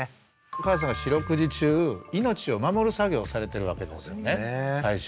お母さんが四六時中命を守る作業をされてるわけですよね最初。